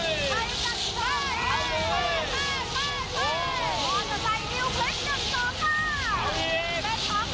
ใครกันใคร